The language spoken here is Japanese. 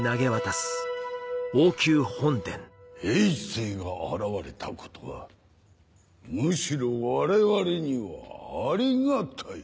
政が現れたことはむしろ我々にはありがたい。